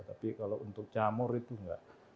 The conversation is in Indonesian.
tapi kalau untuk jamur itu enggak